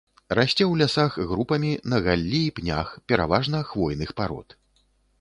Расце ў лясах групамі на галлі і пнях пераважна хвойных парод.